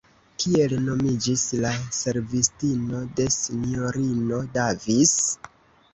Kiel nomiĝis la servistino de S-ino Davis?